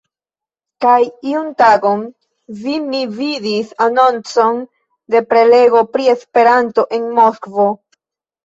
Kaj iun tagon vi mi vidis anoncon de prelego pri Esperanto en Moskvo.